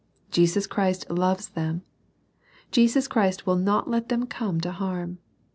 Jesus Christ loves them. Jesus Christ will not let them come to harm.